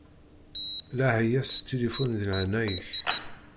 Laɛi-yas s tilifun di leɛnaya-k.